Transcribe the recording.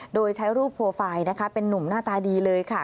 โดยใช้รูปโปรไฟล์นะคะเป็นนุ่มหน้าตาดีเลยค่ะ